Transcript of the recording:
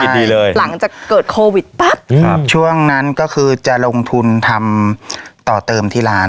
ดีเลยหลังจากเกิดโควิดปั๊บครับช่วงนั้นก็คือจะลงทุนทำต่อเติมที่ร้าน